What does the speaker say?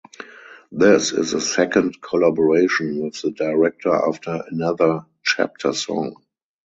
This is the second collaboration with the director after "Another Chapter song".